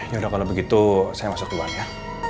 yaudah kalau begitu saya masuk ke luar ya